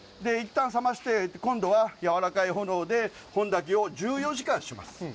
一旦冷まして、今度はやわらかい炎で本炊きを１４時間します。